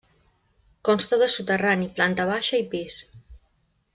Consta de soterrani, planta baixa i pis.